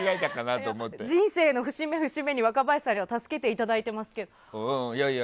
人生の節目節目で若林さんには助けていただいてますけど。